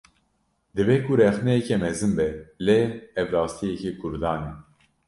Dibe ku rexneyeke mezin be, lê ev rastiyeke Kurdan e